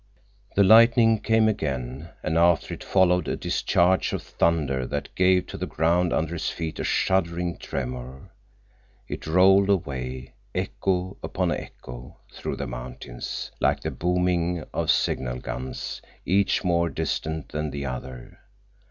The lightning came again, and after it followed a discharge of thunder that gave to the ground under his feet a shuddering tremor. It rolled away, echo upon echo, through the mountains, like the booming of signal guns, each more distant than the other.